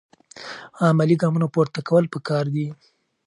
عملي ګامونه پورته کول پکار دي.